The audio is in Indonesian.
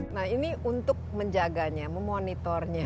nah ini untuk menjaganya memonitornya